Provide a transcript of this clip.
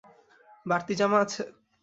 বাড়তি জামা আছে?